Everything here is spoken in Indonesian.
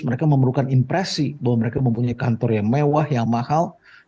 mereka memerlukan impresi bahwa mereka mempunyai kantor yang mewah yang mahal